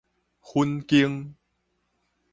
粉間